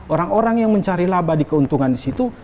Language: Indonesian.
orang orang yang mencari laba di keuntungan disitu